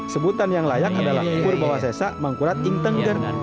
sebutan yang layak adalah purwosesa mangkurat intengger